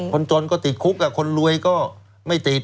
คนจนก็ติดคุกคนรวยก็ไม่ติด